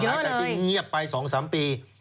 เยอะเลยหลายการที่เงียบไป๒๓ปี